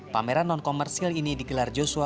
pameran non komersil ini digelar joshua